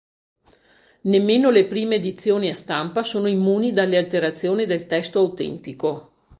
Nemmeno le prime edizioni a stampa sono immuni dalle alterazioni del testo autentico.